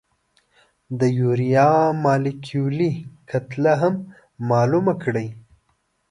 د یوریا مالیکولي کتله هم معلومه کړئ.